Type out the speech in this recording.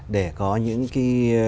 để có những cái